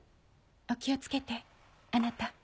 お気をつけてあなた。